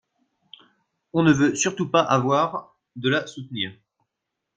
on ne veut surtout pas avoir de la soutenir.